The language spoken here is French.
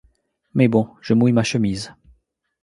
Mais bon, je mouille ma chemise.